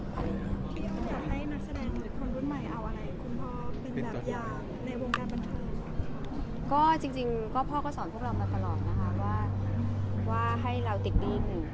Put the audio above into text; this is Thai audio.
คุณอยากให้นักแสดงหรือคนรุ่นใหม่เอาอะไรคุณพ่อเป็นแบบอย่างในวงการบันทึก